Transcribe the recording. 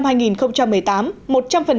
một trăm linh cửa hàng kinh doanh trái cây